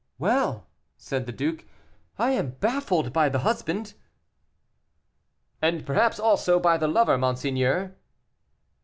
"Well," said the duke, "I am baffled by the husband!" "And, perhaps, also by the lover, monseigneur."